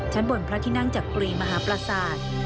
ชั้นบนพระที่นั่งจักรีมหาปราศาสตร์